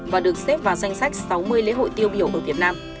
và được xếp vào danh sách sáu mươi lễ hội tiêu biểu ở việt nam